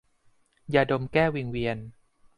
ยาดม แก้วิงเวียน